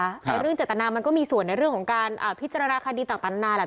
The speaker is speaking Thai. ในเรื่องเจตนามันก็มีส่วนในเรื่องของการพิจารณาคดีต่างนานาแหละ